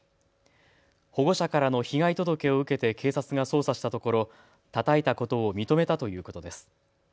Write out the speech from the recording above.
保護者からの被害届を受けて警察が捜査したところ、たたいたことを認めたということです。